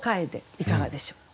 いかがでしょう？